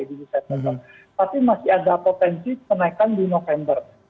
tapi masih ada potensi kenaikan di november